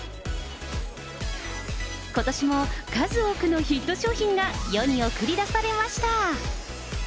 ことしも数多くのヒット商品が世に送り出されました。